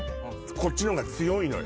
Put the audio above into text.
こっちの方が強いのよ